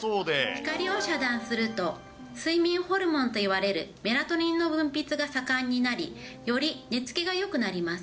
光を遮断すると、睡眠ホルモンといわれるメラトニンの分泌が盛んになり、より寝つきがよくなります。